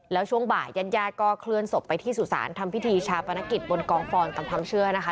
แล้วช่วงบ่ายญาติญาติก็เคลื่อนศพไปที่สุสานทำพิธีชาปนกิจบนกองฟอนตามความเชื่อนะคะ